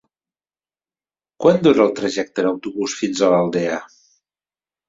Quant dura el trajecte en autobús fins a l'Aldea?